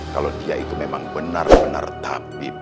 kalau dia itu memang benar benar tabib